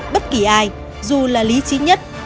bất kỳ ai dù là lý trí nhất